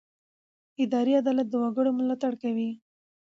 اداري عدالت د وګړو ملاتړ کوي.